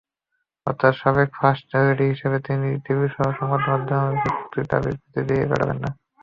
অর্থাৎ সাবেক first lady হিসেবে তিনি টিভিসহ সংবাদমাধ্যমে বক্তৃতা-বিবৃতি দিয়ে বেড়াবেন না।